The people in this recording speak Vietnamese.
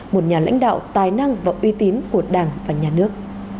một nhà lãnh đạo tài năng và uy tín của đảng và nhà nước